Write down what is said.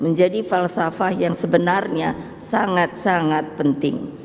menjadi falsafah yang sebenarnya sangat sangat penting